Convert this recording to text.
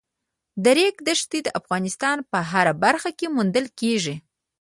د ریګ دښتې د افغانستان په هره برخه کې موندل کېږي.